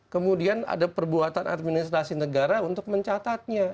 kemudian ada perbuatan administrasi negara untuk mencatatnya